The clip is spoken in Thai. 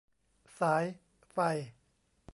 สาย ไฟ